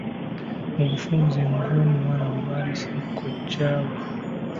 Mu bufunze ng'omuwala gw'aleese kojja we.